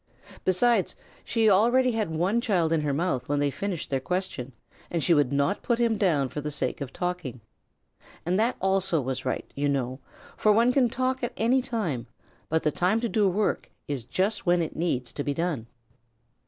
Besides, she already had one child in her mouth when they finished their question, and she would not put him down for the sake of talking. And that also was right, you know, for one can talk at any time, but the time to do work is just when it needs to be done.